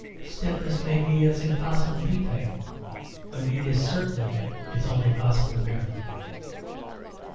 Stiffness may be its impossible defect; but it is certainly its only possible merit.